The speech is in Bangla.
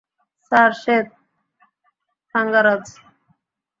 স্যার, সে থাঙ্গারাজ।